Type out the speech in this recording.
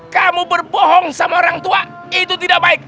kamu berbohong sama orang tua itu tidak baik